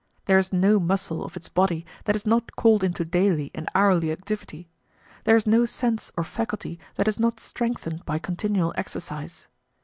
There is no muscle of [[p. 60]] its body that is not called into daily and hourly activity; there is no sense or faculty that is not strengthened by continual exercise.